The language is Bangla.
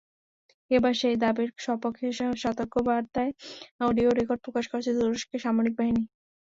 এবার সেই দাবির সপক্ষে সতর্কবার্তার অডিও রেকর্ড প্রকাশ করেছে তুরস্কের সামরিক বাহিনী।